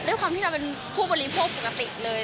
ด้วยความที่เราเป็นผู้บริโภคปกติเลย